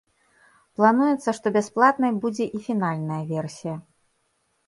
Плануецца, што бясплатнай будзе і фінальная версія.